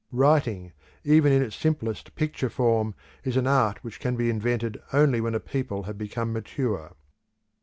Writing, even in its simplest picture form, is an art which can be invented only when a people have become mature.